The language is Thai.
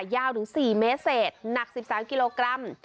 ยาวถึง๔เมตรเศษหนัก๑๓กิโลกรัม